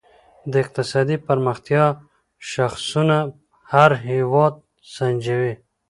د اقتصادي پرمختیا شاخصونه هر هېواد سنجوي.